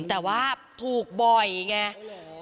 แต่ว่าถูกบ่อยอังงี้ไง